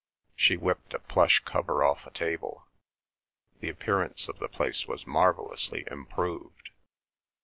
She whipped a plush cover off a table. The appearance of the place was marvellously improved.